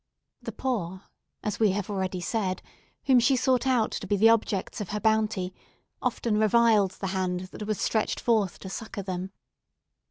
The poor, as we have already said, whom she sought out to be the objects of her bounty, often reviled the hand that was stretched forth to succour them.